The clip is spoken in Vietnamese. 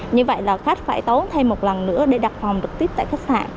như vậy là khách phải tấu thêm một lần nữa để đặt phòng trực tiếp tại khách sạn